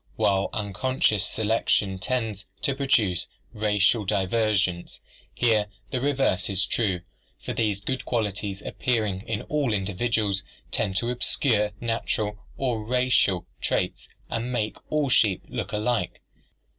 While unconscious selection tends to produce racial divergence, here the reverse is true, for these good qualities appearing in all individuals tend to obscure natural or racial traits and make all sheep look alike.